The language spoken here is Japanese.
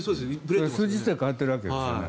数日で変わっているわけですね。